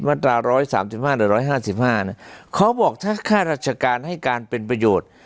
มาตรา๑๓๕หรือ๑๕๕เขาบอกถ้าค่าราชการให้การเป็นประโยชน์